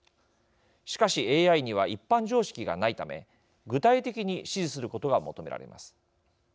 しかしＡＩには一般常識がないため具体的に指示することが求められます。